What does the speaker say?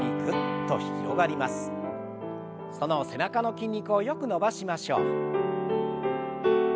その背中の筋肉をよく伸ばしましょう。